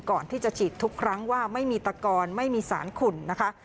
ก่อนที่จะฉีดทุกครั้งว่าไม่มีตะกอนไม่มีสารขุ่นนะคะ